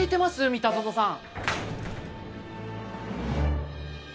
三田園さん。